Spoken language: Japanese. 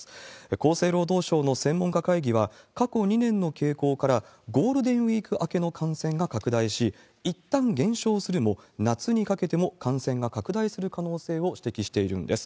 厚生労働省の専門家会議は、過去２年の傾向から、ゴールデンウィーク明けの感染が拡大し、いったん減少するも、夏にかけても感染が拡大する可能性を指摘しているんです。